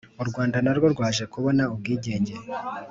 U rwanda narwo rwaje kubona ubwigenge